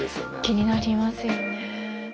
気になりますよね。